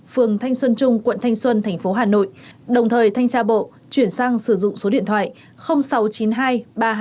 phường thanh xuân trung quận thanh xuân thành phố hà nội đồng thời thanh tra bộ chuyển sang sử dụng số điện thoại sáu trăm chín mươi hai ba trăm hai mươi sáu năm trăm năm mươi năm